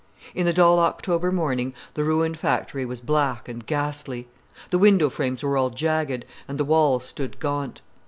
In the dull October morning the ruined factory was black and ghastly. The window frames were all jagged, and the walls stood gaunt.